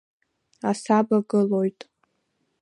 Асаба гылоит.